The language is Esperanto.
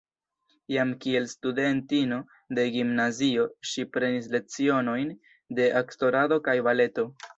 Jam kiel studentino de gimnazio ŝi prenis lecionojn de aktorado kaj baleto.